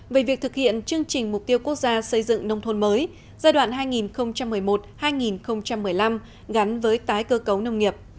về việc thực hiện chương trình mục tiêu quốc gia xây dựng nông thôn mới giai đoạn hai nghìn một mươi một hai nghìn một mươi năm gắn với tái cơ cấu nông nghiệp